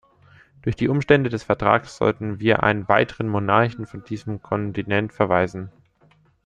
Durch die Umstände des Vertrags sollten „wir einen weiteren Monarchen von diesem Kontinent verweisen.